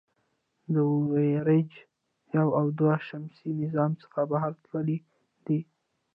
د وویجر یو او دوه د شمسي نظام څخه بهر تللي دي.